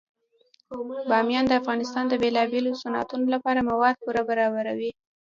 بامیان د افغانستان د بیلابیلو صنعتونو لپاره مواد پوره برابروي.